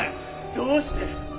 「どうして」？